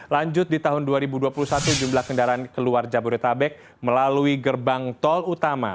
lanjut di tahun dua ribu dua puluh satu jumlah kendaraan keluar jabodetabek melalui gerbang tol utama